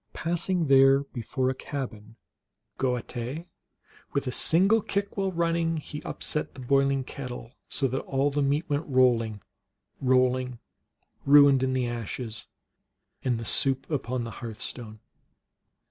Passing there before a cabin (goatte), With a single kick while running THE MERRY TALES OF LOX. 179 He upset the boiling kettle, ^ So that all the meat went rolling, Rolling ruined in the ashes, And the soup upon the hearth stone."